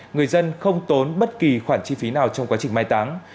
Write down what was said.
người dân không tốn bất kỳ khoản chi phí nào trong quá trình mai táng